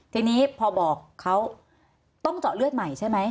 ทีนี้พอบอกเขาต้องเจาะเลือดใหม่ใช่ไหม